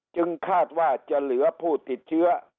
คาดว่าจะเหลือผู้ติดเชื้อ